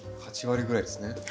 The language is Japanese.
８割ぐらいですね。